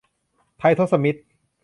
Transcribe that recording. ไททศมิตร